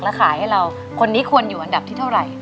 แล้วขายให้เราคนนี้ควรอยู่อันดับที่เท่าไหร่